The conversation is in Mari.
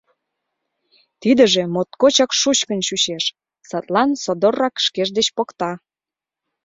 Тидыже моткочак шучкын чучеш, садлан содоррак шкеж деч покта.